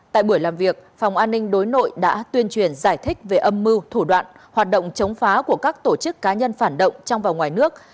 tại buổi làm việc phòng an ninh đối nội đã tuyên truyền giải thích về âm mưu thủ đoạn hoạt động chống phá của các tổ chức cá nhân phản động trong và ngoài nước